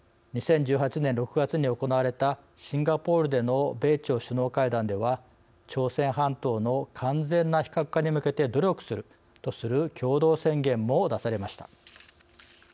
２０１８年６月に行われたシンガポールでの米朝首脳会談では朝鮮半島の完全な非核化に向けて努力するとする共同宣言も出されました。